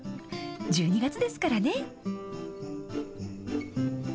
１２月ですからね。